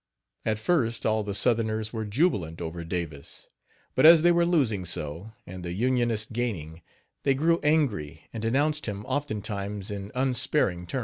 " At first all the Southerners were jubilant over Davis; but as they were losing so, and the Unionists gaining, they grew angry and denounced him oftentimes in unsparing terms.